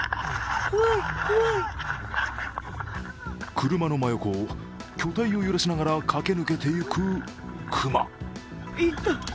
車の真横を巨体を揺らしながら駆け抜けていく熊。